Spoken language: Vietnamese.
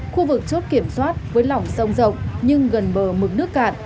khu vực chốt kiểm soát với lỏng sông rộng nhưng gần bờ mực nước cạn